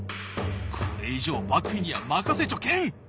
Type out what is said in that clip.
これ以上幕府には任せちょけん！